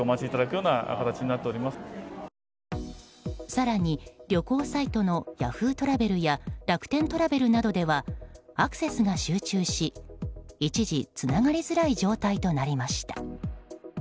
更に、旅行サイトのＹａｈｏｏ！トラベルや楽天トラベルなどではアクセスが集中し一時、つながりづらい状態となりました。